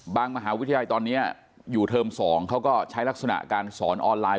มหาวิทยาลัยตอนนี้อยู่เทอม๒เขาก็ใช้ลักษณะการสอนออนไลน์